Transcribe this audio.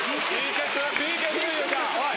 おい！